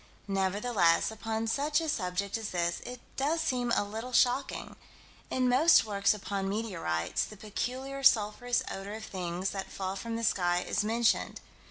Nevertheless, upon such a subject as this, it does seem a little shocking. In most works upon meteorites, the peculiar, sulphurous odor of things that fall from the sky is mentioned.